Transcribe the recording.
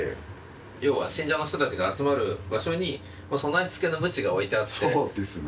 ようは信者の人たちが集まる場所に、備え付けのむちが置いてそうですね。